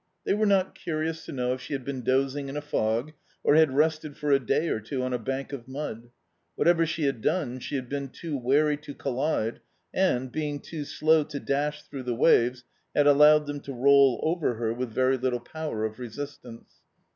They were not curious to know if she had been dozing in a fog or had rested for a day or two on a bank of mud; what ever she had dwie, she had been too wary to collide, and, being too slow to dash through the waves, had allowed them to roll her over with very little power of resistance.